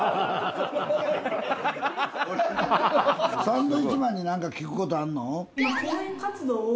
サンドウィッチマンに何か聞く事あるの？